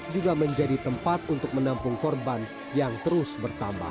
juga menjadi tempat untuk menampung korban yang terus bertambah